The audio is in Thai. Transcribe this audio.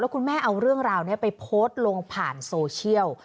คุณแม่เอาเรื่องราวนี้ไปโพสต์ลงผ่านโซเชียล